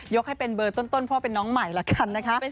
ให้เป็นเบอร์ต้นพ่อเป็นน้องใหม่ละกันนะคะ